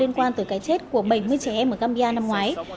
liên quan tới cái chết của bảy mươi trẻ em ở gambia năm ngoái